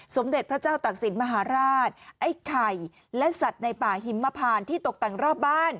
สมเด็จพระเจ้าตักศิลปมหาราชไอ้ไข่และสัตว์ในป่าหิมพานที่ตกแต่งรอบบ้าน